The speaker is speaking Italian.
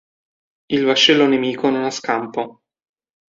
Il vascello nemico non ha scampo.